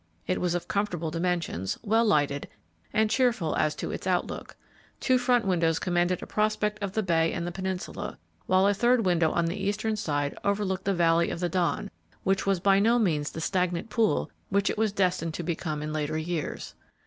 It was of comfortable dimensions, well lighted, and cheerful as to its outlook. Two front windows commanded a prospect of the bay and the peninsula, while a third window on the eastern side overlooked the valley of the Don, which was by no means the stagnant pool which it was destined to become in later years.